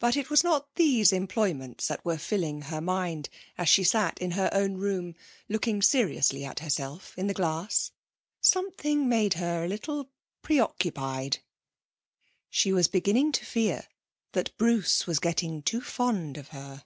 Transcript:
But it was not these employments that were filling her mind as she sat in her own room, looking seriously at herself in the glass. Something made her a little preoccupied. She was beginning to fear that Bruce was getting too fond of her.